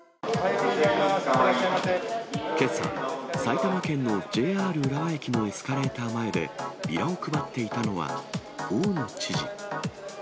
いってけさ、埼玉県のＪＲ浦和駅のエスカレーター前で、ビラを配っていたのは、大野知事。